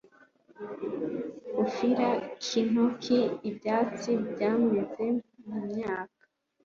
kufira kintoki ibyatsi byameze mu myaka